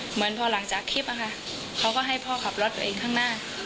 เหมือนพอหลังจากคลิปอะค่ะเขาก็ให้พ่อขับรถตัวเองข้างหน้า